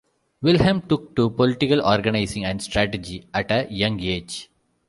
Wilhelm took to political organizing and strategy at a young age.